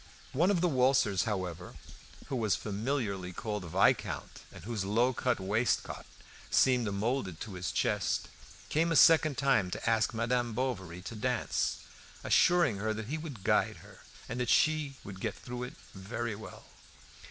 One of the waltzers, however, who was familiarly called Viscount, and whose low cut waistcoat seemed moulded to his chest, came a second time to ask Madame Bovary to dance, assuring her that he would guide her, and that she would get through it very well.